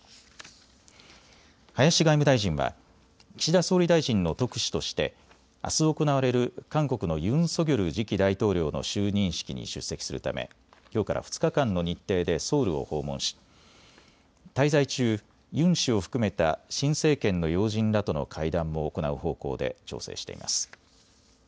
林外務大臣は岸田総理大臣の特使としてあす行われる韓国のユン・ソギョル次期大統領の就任式に出席するためきょうから２日間の日程でソウルを訪問し滞在中、ユン氏を含めた新政権の要人らとの会談も行う方向で調整しています。